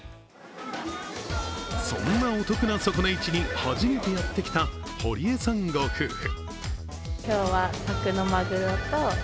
そんなお得な底値市に初めてやってきた堀江さんご夫婦。